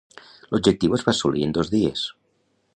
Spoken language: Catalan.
L"objectiu es va assolir en dos dies.